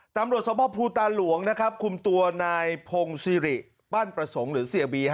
ตำรวจสมภาพภูตาหลวงนะครับคุมตัวนายพงศิริปั้นประสงค์หรือเสียบี